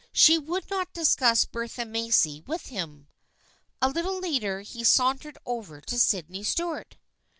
She would not discuss Bertha Macy with him. A little later he sauntered over to Sydney Stuart.